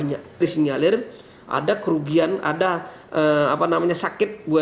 banyak yang disinyalir ada kerugian ada sakit